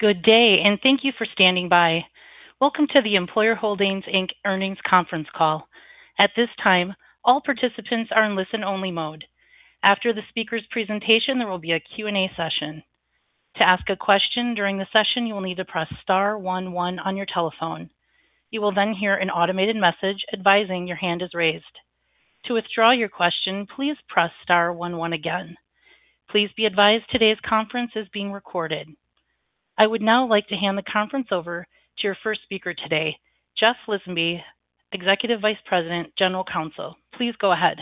Good day, and thank you for standing by. Welcome to the Employers Holdings, Inc. earnings conference call. At this time, all participants are in listen only mode. After the speaker's presentation, there will be a Q&A session. To ask a question during the session, you will need to press star one one on your telephone. You will then hear an automated message advising your hand is raised. To withdraw your question, please press star one one again. Please be advised today's conference is being recorded. I would now like to hand the conference over to your first speaker today, Jeff Lisenby, Executive Vice President, General Counsel. Please go ahead.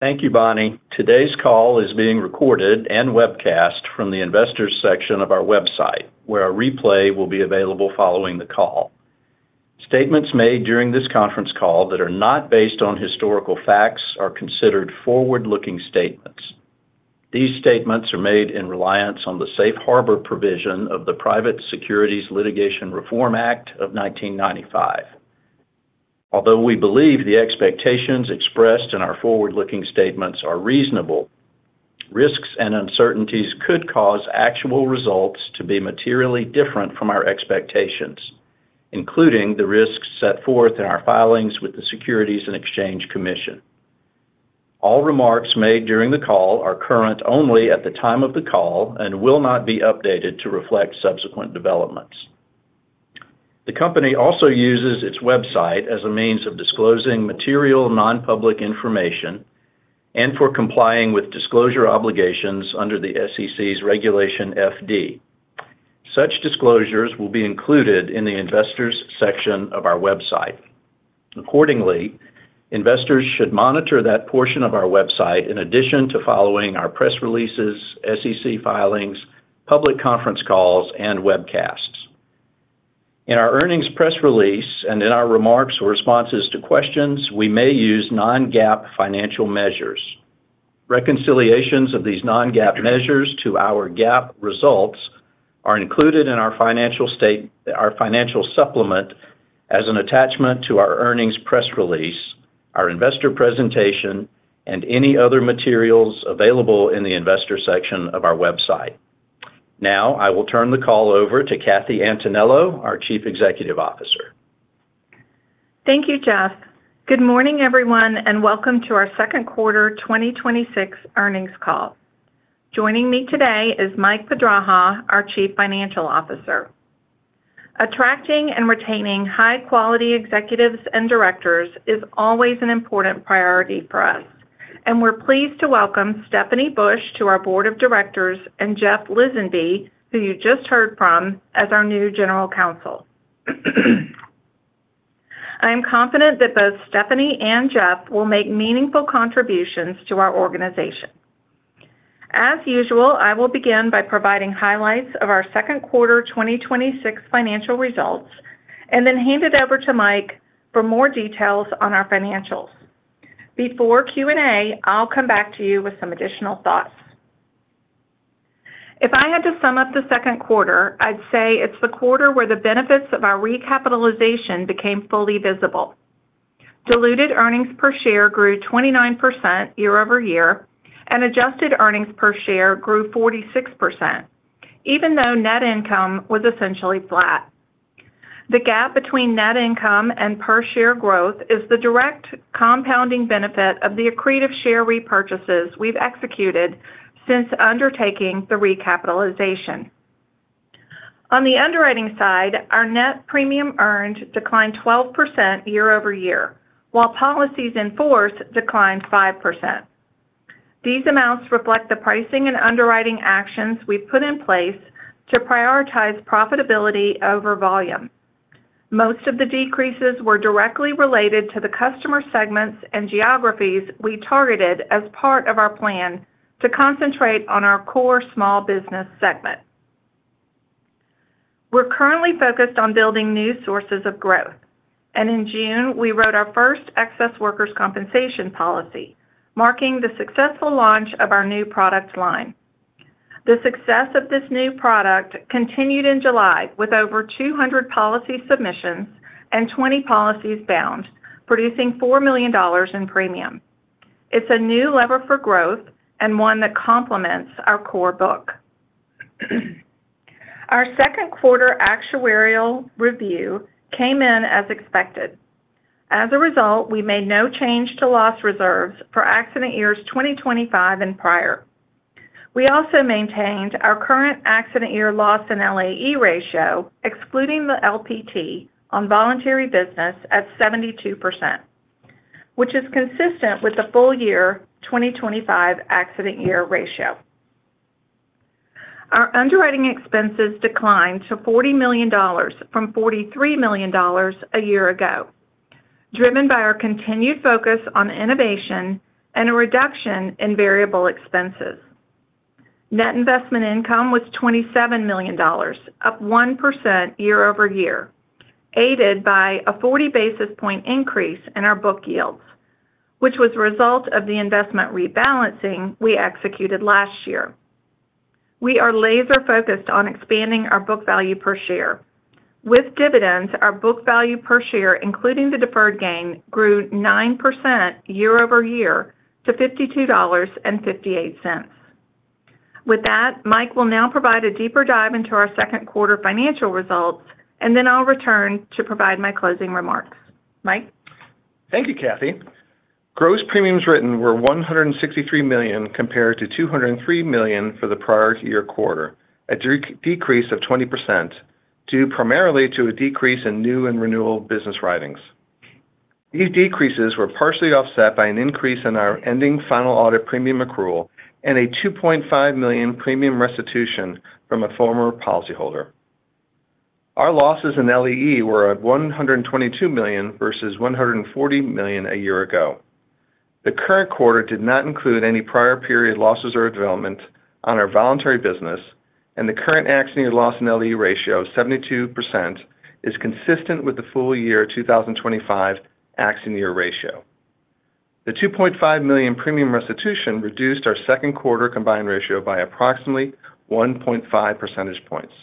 Thank you, Bonnie. Today's call is being recorded and webcast from the investors section of our website, where a replay will be available following the call. Statements made during this conference call that are not based on historical facts are considered forward-looking statements. These statements are made in reliance on the safe harbor provision of the Private Securities Litigation Reform Act of 1995. Although we believe the expectations expressed in our forward-looking statements are reasonable, risks and uncertainties could cause actual results to be materially different from our expectations, including the risks set forth in our filings with the Securities and Exchange Commission. All remarks made during the call are current only at the time of the call and will not be updated to reflect subsequent developments. The company also uses its website as a means of disclosing material non-public information and for complying with disclosure obligations under the SEC's Regulation FD. Such disclosures will be included in the investors section of our website. Accordingly, investors should monitor that portion of our website in addition to following our press releases, SEC filings, public conference calls, and webcasts. In our earnings press release and in our remarks or responses to questions, we may use non-GAAP financial measures. Reconciliations of these non-GAAP measures to our GAAP results are included in our financial supplement as an attachment to our earnings press release, our investor presentation, and any other materials available in the investor section of our website. Now I will turn the call over to Kathy Antonello, our Chief Executive Officer. Thank you, Jeff. Good morning, everyone, and welcome to our second quarter 2026 earnings call. Joining me today is Mike Pedraja, our Chief Financial Officer. Attracting and retaining high quality executives and directors is always an important priority for us. And we're pleased to welcome Stephanie Bush to our board of directors and Jeff Lisenby, who you just heard from, as our new general counsel. I am confident that both Stephanie and Jeff will make meaningful contributions to our organization. As usual, I will begin by providing highlights of our second quarter 2026 financial results, and then hand it over to Mike for more details on our financials. Before Q&A, I'll come back to you with some additional thoughts. If I had to sum up the second quarter, I'd say it's the quarter where the benefits of our recapitalization became fully visible. Diluted earnings per share grew 29% year-over-year, and adjusted earnings per share grew 46%, even though net income was essentially flat. The gap between net income and per share growth is the direct compounding benefit of the accretive share repurchases we've executed since undertaking the recapitalization. On the underwriting side, our net premium earned declined 12% year-over-year, while policies in force declined 5%. These amounts reflect the pricing and underwriting actions we've put in place to prioritize profitability over volume. Most of the decreases were directly related to the customer segments and geographies we targeted as part of our plan to concentrate on our core small business segment. We're currently focused on building new sources of growth, and in June, we wrote our first excess workers compensation policy, marking the successful launch of our new product line. The success of this new product continued in July with over 200 policy submissions and 20 policies bound, producing $4 million in premium. It's a new lever for growth and one that complements our core book. Our second quarter actuarial review came in as expected. As a result, we made no change to loss reserves for accident years 2025 and prior. We also maintained our current accident year loss and LAE ratio, excluding the LPT on voluntary business at 72%, which is consistent with the full year 2025 accident year ratio. Our underwriting expenses declined to $40 million from $43 million a year ago, driven by our continued focus on innovation and a reduction in variable expenses. Net investment income was $27 million, up 1% year-over-year, aided by a 40 basis point increase in our book yields, which was a result of the investment rebalancing we executed last year. We are laser focused on expanding our book value per share. With dividends, our book value per share, including the deferred gain, grew 9% year-over-year to $52.58. With that, Mike will now provide a deeper dive into our second quarter financial results, and then I'll return to provide my closing remarks. Mike? Thank you, Kathy. Gross premiums written were $163 million compared to $203 million for the prior year quarter, a decrease of 20%, due primarily to a decrease in new and renewal business writings. These decreases were partially offset by an increase in our ending final audit premium accrual and a $2.5 million premium restitution from a former policyholder. Our losses in LAE were at $122 million versus $140 million a year ago. The current quarter did not include any prior period losses or development on our voluntary business, and the current accident year loss in LAE ratio, 72%, is consistent with the full year 2025 accident year ratio. The $2.5 million premium restitution reduced our second quarter combined ratio by approximately 1.5 percentage points.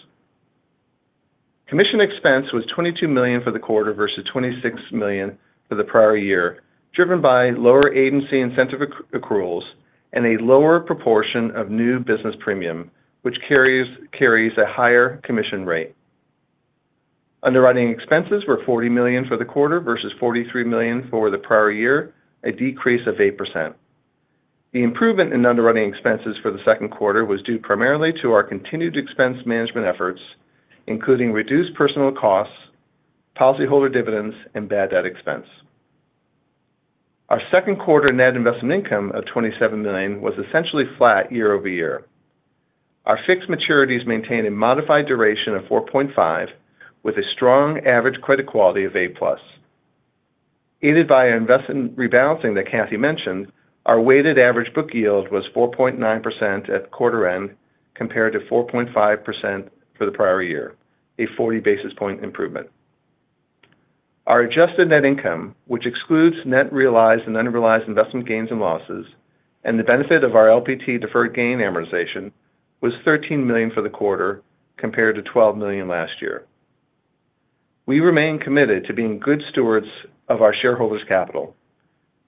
Commission expense was $22 million for the quarter versus $26 million for the prior year, driven by lower agency incentive accruals and a lower proportion of new business premium, which carries a higher commission rate. Underwriting expenses were $40 million for the quarter versus $43 million for the prior year, a decrease of 8%. The improvement in underwriting expenses for the second quarter was due primarily to our continued expense management efforts, including reduced personal costs, policyholder dividends, and bad debt expense. Our second quarter net investment income of $27 million was essentially flat year-over-year. Our fixed maturities maintain a modified duration of 4.5 with a strong average credit quality of A-plus. Aided by an investment rebalancing that Kathy mentioned, our weighted average book yield was 4.9% at quarter end, compared to 4.5% for the prior year, a 40 basis point improvement. Our adjusted net income, which excludes net realized and unrealized investment gains and losses and the benefit of our LPT deferred gain amortization, was $13 million for the quarter, compared to $12 million last year. We remain committed to being good stewards of our shareholders' capital.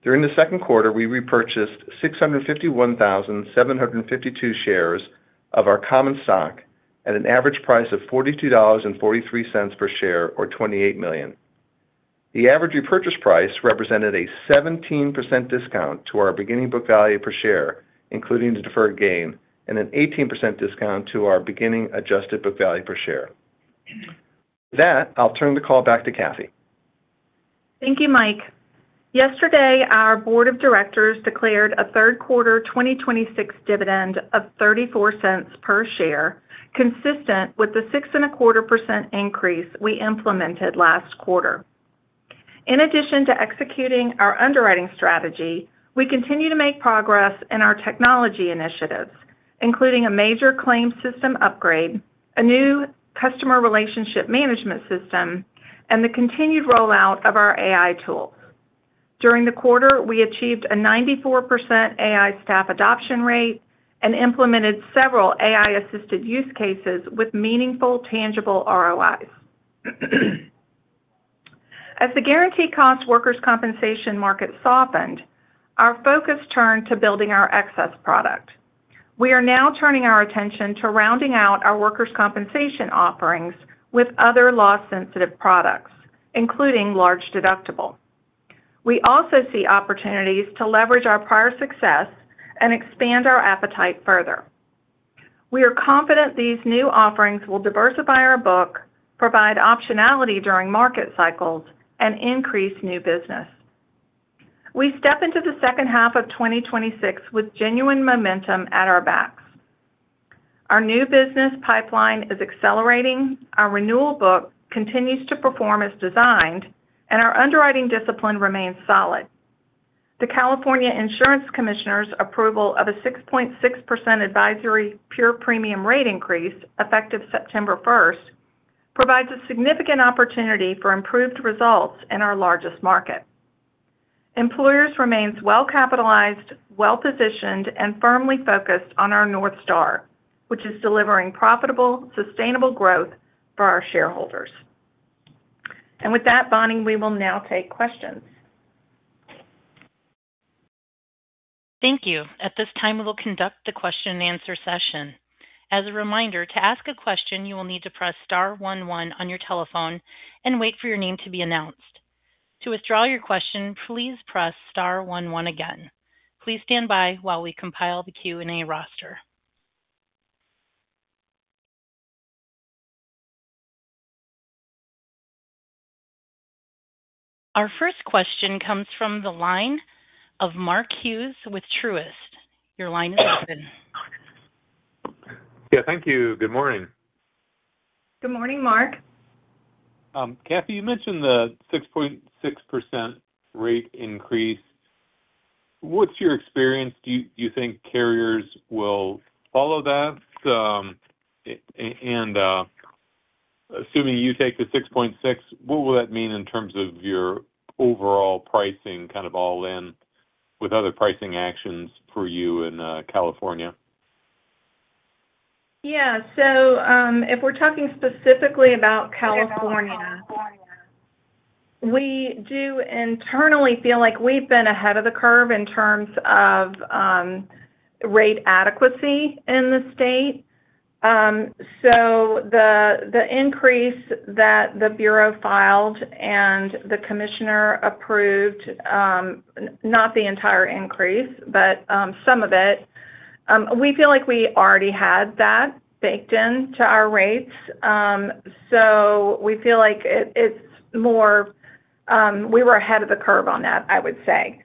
During the second quarter, we repurchased 651,752 shares of our common stock at an average price of $42.43 per share, or $28 million. The average repurchase price represented a 17% discount to our beginning book value per share, including the deferred gain, and an 18% discount to our beginning adjusted book value per share. With that, I'll turn the call back to Kathy. Thank you, Mike. Yesterday, our Board of Directors declared a third quarter 2026 dividend of $0.34 per share, consistent with the 6.25% increase we implemented last quarter. In addition to executing our underwriting strategy, we continue to make progress in our technology initiatives, including a major claims system upgrade, a new customer relationship management system, and the continued rollout of our AI tools. During the quarter, we achieved a 94% AI staff adoption rate and implemented several AI-assisted use cases with meaningful tangible ROIs. As the guaranteed cost workers' compensation market softened, our focus turned to building our excess product. We are now turning our attention to rounding out our workers' compensation offerings with other loss-sensitive products, including large deductible. We also see opportunities to leverage our prior success and expand our appetite further. We are confident these new offerings will diversify our book, provide optionality during market cycles, and increase new business. We step into the second half of 2026 with genuine momentum at our backs. Our new business pipeline is accelerating, our renewal book continues to perform as designed, and our underwriting discipline remains solid. The California Insurance Commissioner's approval of a 6.6% advisory pure premium rate increase, effective September 1st, provides a significant opportunity for improved results in our largest market. Employers remains well-capitalized, well-positioned, and firmly focused on our North Star, which is delivering profitable, sustainable growth for our shareholders. With that, Bonnie, we will now take questions. Thank you. At this time, we will conduct the question and answer session. As a reminder, to ask a question, you will need to press star one one on your telephone and wait for your name to be announced. To withdraw your question, please press star one one again. Please stand by while we compile the Q&A roster. Our first question comes from the line of Mark Hughes with Truist. Your line is open. Yeah. Thank you. Good morning. Good morning, Mark. Kathy, you mentioned the 6.6% rate increase. What's your experience? Do you think carriers will follow that? Assuming you take the 6.6%, what will that mean in terms of your overall pricing, all in with other pricing actions for you in California? Yeah. If we're talking specifically about California, we do internally feel like we've been ahead of the curve in terms of rate adequacy in the state. The increase that the bureau filed and the Commissioner approved, not the entire increase, but some of it, we feel like we already had that baked into our rates. We feel like we were ahead of the curve on that, I would say.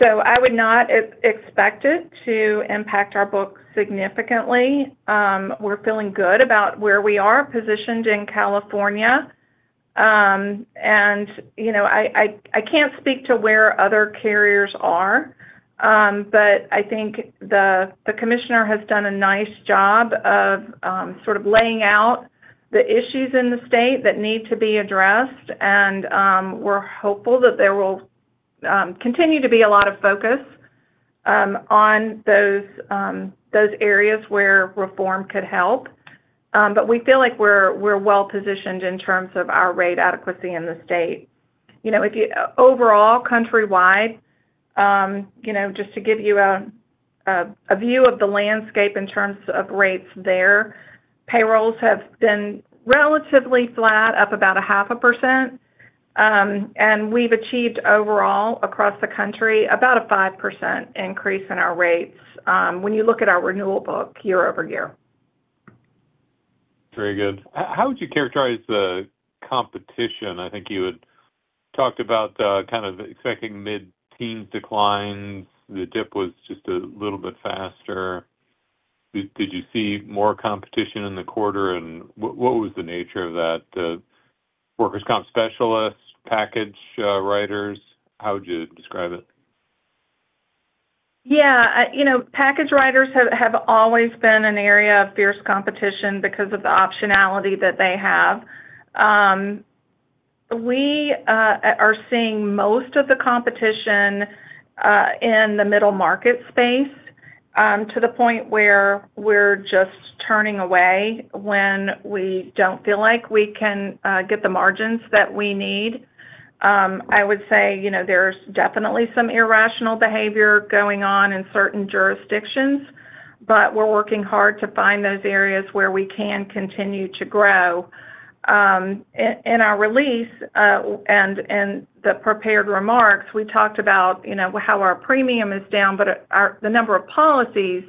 I would not expect it to impact our books significantly. We're feeling good about where we are positioned in California. I can't speak to where other carriers are, but I think the Commissioner has done a nice job of laying out the issues in the state that need to be addressed, and we're hopeful that there will continue to be a lot of focus on those areas where reform could help. We feel like we're well positioned in terms of our rate adequacy in the state. Overall, countrywide, just to give you a view of the landscape in terms of rates there, payrolls have been relatively flat, up about a half a percent. We've achieved overall, across the country, about a 5% increase in our rates when you look at our renewal book year-over-year. Very good. How would you characterize the competition? I think you had talked about kind of expecting mid-teen declines. The dip was just a little bit faster. Did you see more competition in the quarter, and what was the nature of that? Workers' comp specialists, package writers? How would you describe it? Yeah. Package writers have always been an area of fierce competition because of the optionality that they have. We are seeing most of the competition in the middle market space, to the point where we're just turning away when we don't feel like we can get the margins that we need. I would say, there's definitely some irrational behavior going on in certain jurisdictions, but we're working hard to find those areas where we can continue to grow. In our release, and the prepared remarks, we talked about how our premium is down, but the number of policies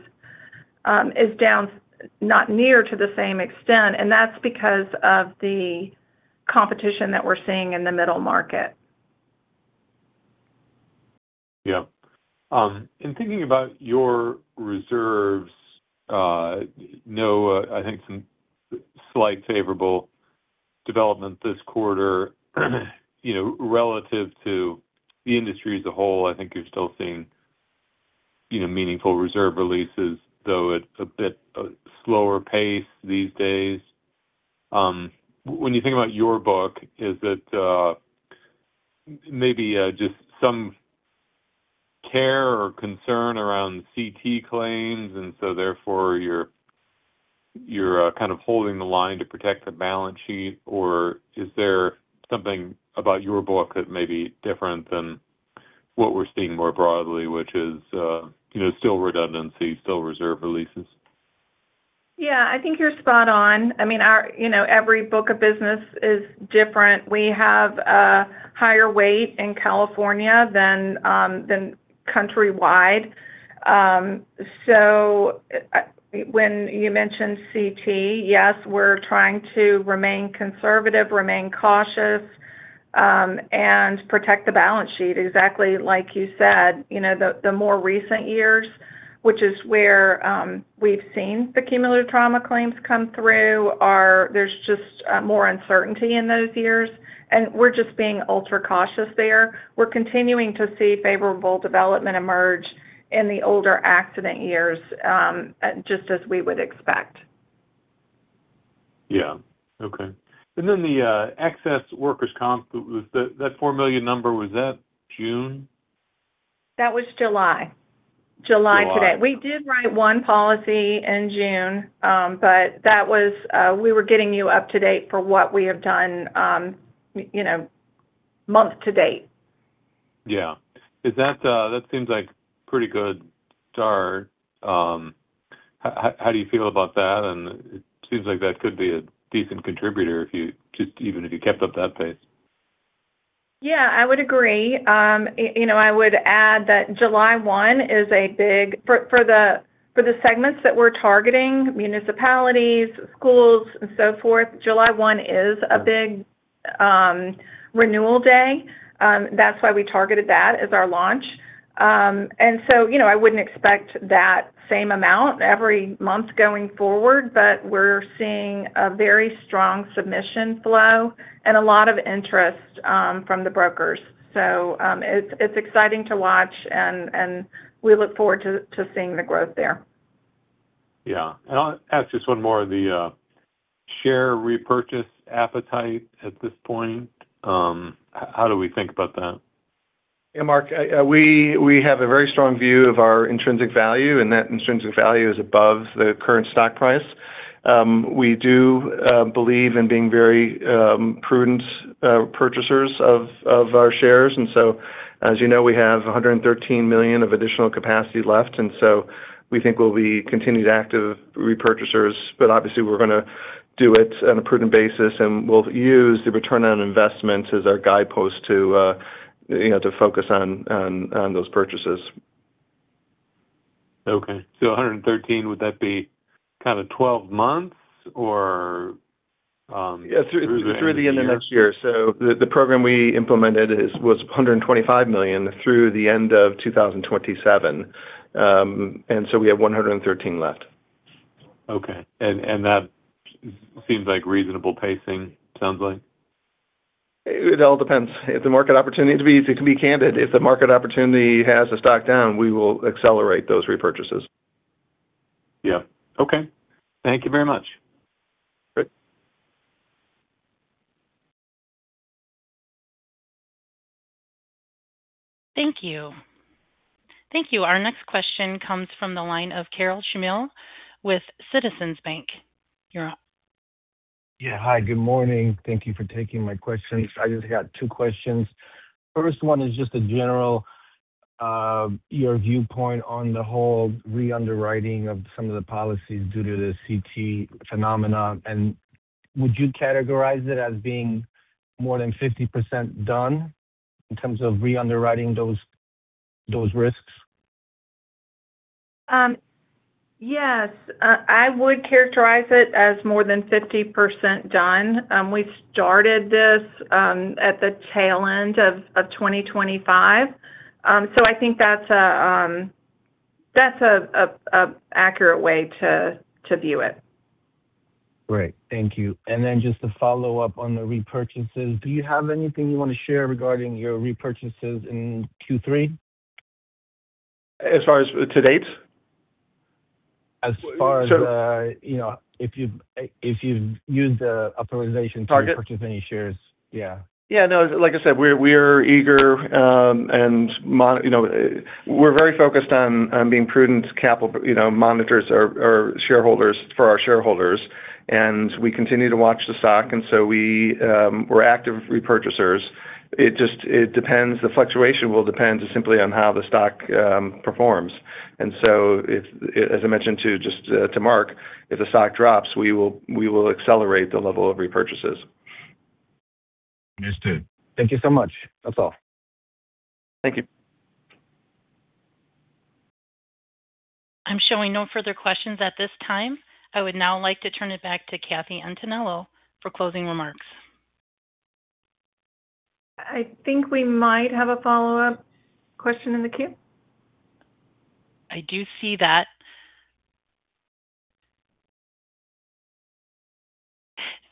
is down not near to the same extent, and that's because of the competition that we're seeing in the middle market. Yeah. In thinking about your reserves, I think some slight favorable development this quarter, relative to the industry as a whole, I think you're still seeing meaningful reserve releases, though at a bit slower pace these days. When you think about your book, is it maybe just some care or concern around CT claims, therefore you're kind of holding the line to protect the balance sheet? Is there something about your book that may be different than what we're seeing more broadly, which is still redundancy, still reserve releases? Yeah, I think you're spot on. Every book of business is different. We have a higher weight in California than countrywide. When you mentioned CT, yes, we're trying to remain conservative, remain cautious, and protect the balance sheet, exactly like you said. The more recent years, which is where we've seen the cumulative trauma claims come through, there's just more uncertainty in those years, and we're just being ultra cautious there. We're continuing to see favorable development emerge in the older accident years, just as we would expect. Yeah. Okay. The excess workers' comp, that $4 million number, was that June? That was July. July to date. We did write one policy in June, we were getting you up to date for what we have done month to date. Yeah. That seems like pretty good start. How do you feel about that? It seems like that could be a decent contributor even if you kept up that pace. Yeah, I would agree. I would add that July 1, for the segments that we're targeting, municipalities, schools, and so forth, July 1 is a big renewal day. That's why we targeted that as our launch. I wouldn't expect that same amount every month going forward, but we're seeing a very strong submission flow and a lot of interest from the brokers. It's exciting to watch, and we look forward to seeing the growth there. Yeah. I'll ask just one more. The share repurchase appetite at this point, how do we think about that? Yeah, Mark, we have a very strong view of our intrinsic value, and that intrinsic value is above the current stock price. We do believe in being very prudent purchasers of our shares. As you know, we have $113 million of additional capacity left, we think we'll be continued active repurchasers. Obviously, we're going to do it on a prudent basis, and we'll use the return on investment as our guidepost to focus on those purchases. Okay. $113 million, would that be kind of 12 months or through the end of next year? Yeah, through the end of next year. The program we implemented was $125 million through the end of 2027. We have $113 million left. Okay. That seems like reasonable pacing, sounds like? It all depends. To be candid, if the market opportunity has the stock down, we will accelerate those repurchases. Yeah. Okay. Thank you very much. Great. Thank you. Thank you. Our next question comes from the line of Karol Chmiel with Citizens Bank. You're up. Yeah. Hi, good morning. Thank you for taking my questions. I just got two questions. First one is just a general, your viewpoint on the whole re-underwriting of some of the policies due to the CT phenomenon. Would you categorize it as being more than 50% done in terms of re-underwriting those risks? Yes, I would characterize it as more than 50% done. We started this at the tail end of 2025. I think that's an accurate way to view it. Great. Thank you. Just to follow up on the repurchases, do you have anything you want to share regarding your repurchases in Q3? As far as to date? As far as if you've used the authorization to repurchase any shares. Yeah. Yeah, no, like I said, we're eager, and we're very focused on being prudent capital monitors for our shareholders, and we continue to watch the stock, and so we're active repurchasers. The fluctuation will depend simply on how the stock performs. As I mentioned too, just to Mark, if the stock drops, we will accelerate the level of repurchases. Understood. Thank you so much. That's all. Thank you. I'm showing no further questions at this time. I would now like to turn it back to Kathy Antonello for closing remarks. I think we might have a follow-up question in the queue. I do see that.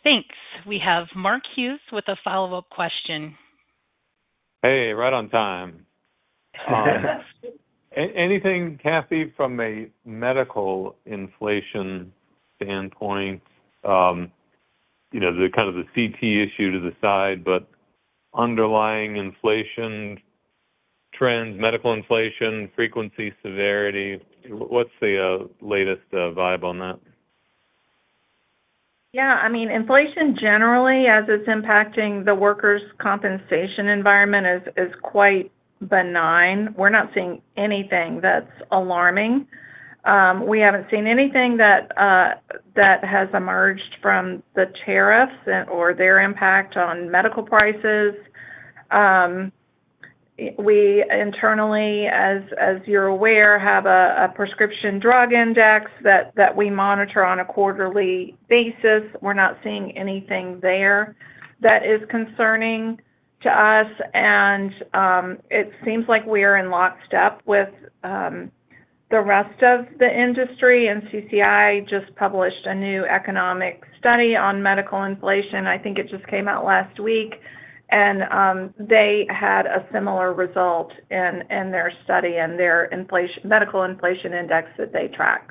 Thanks. We have Mark Hughes with a follow-up question. Hey, right on time. Anything, Kathy, from a medical inflation standpoint? Kind of the CT issue to the side, underlying inflation trends, medical inflation, frequency, severity, what's the latest vibe on that? Yeah, inflation generally as it's impacting the workers' compensation environment is quite benign. We're not seeing anything that's alarming. We haven't seen anything that has emerged from the tariffs or their impact on medical prices. We internally, as you're aware, have a prescription drug index that we monitor on a quarterly basis. We're not seeing anything there that is concerning to us, and it seems like we are in lockstep with the rest of the industry. NCCI just published a new economic study on medical inflation. I think it just came out last week, and they had a similar result in their study in their medical inflation index that they track.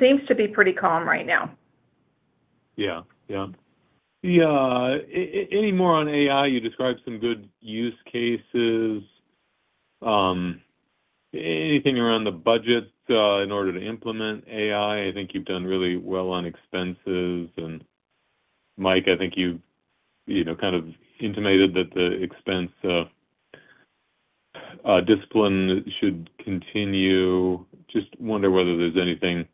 Seems to be pretty calm right now. Yeah. Any more on AI? You described some good use cases. Anything around the budget in order to implement AI? I think you've done really well on expenses. Mike, I think you've kind of intimated that the expense discipline should continue. Just wonder whether there's anything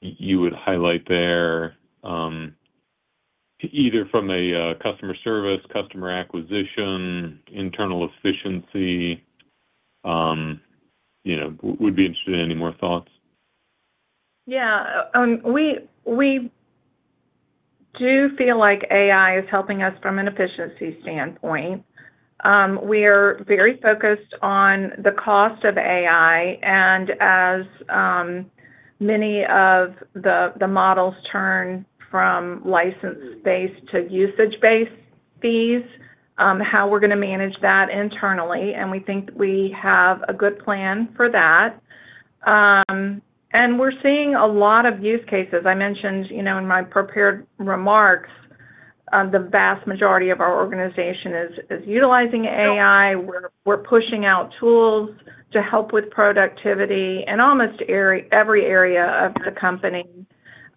you would highlight there, either from a customer service, customer acquisition, internal efficiency. Would be interested in any more thoughts. Yeah. We do feel like AI is helping us from an efficiency standpoint. We're very focused on the cost of AI and as many of the models turn from license-based to usage-based fees, how we're going to manage that internally, and we think we have a good plan for that. We're seeing a lot of use cases. I mentioned in my prepared remarks, the vast majority of our organization is utilizing AI. We're pushing out tools to help with productivity in almost every area of the company.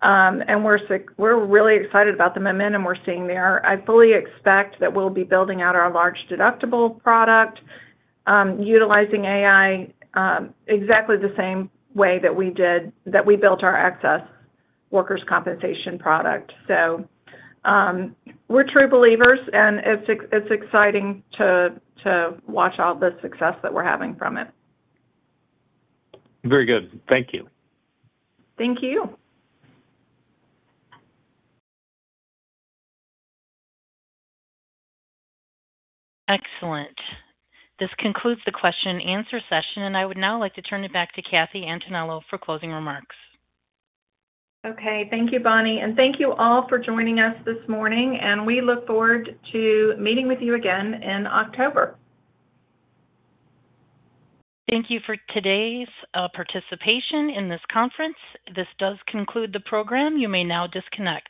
We're really excited about the momentum we're seeing there. I fully expect that we'll be building out our large deductible product, utilizing AI exactly the same way that we built our excess workers' compensation product. We're true believers, and it's exciting to watch all the success that we're having from it. Very good. Thank you. Thank you. Excellent. This concludes the question-and-answer session. I would now like to turn it back to Kathy Antonello for closing remarks. Okay. Thank you, Bonnie. Thank you all for joining us this morning, we look forward to meeting with you again in October. Thank you for today's participation in this conference. This does conclude the program. You may now disconnect.